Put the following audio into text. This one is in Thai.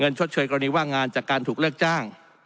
ชดเชยกรณีว่างงานจากการถูกเลิกจ้าง